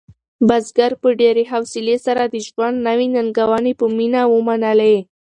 بزګر په ډېرې حوصلې سره د ژوند نوې ننګونې په مینه ومنلې.